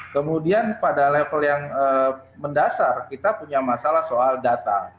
kemudian pada level yang mendasar kita punya masalah soal data